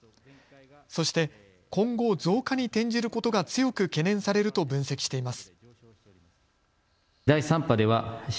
そして今後、増加に転じることが強く懸念されると分析しています。